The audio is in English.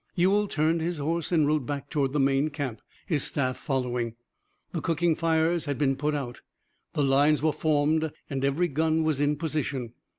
Ewell turned his horse and rode back toward the main camp, his staff following. The cooking fires had been put out, the lines were formed and every gun was in position.